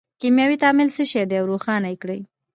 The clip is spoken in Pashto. کیمیاوي تعامل څه شی دی او روښانه یې کړئ.